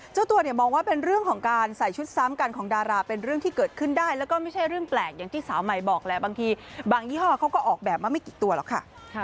เจ้าตัวเนี่ยมองว่าเป็นเรื่องของการใส่ชุดซ้ำกันของดาราเป็นเรื่องที่เกิดขึ้นได้แล้วก็ไม่ใช่เรื่องแปลกอย่างที่สาวใหม่บอกแหละบางทีบางยี่ห้อเขาก็ออกแบบมาไม่กี่ตัวหรอกค่ะ